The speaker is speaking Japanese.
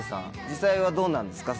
実際はどうなんですか？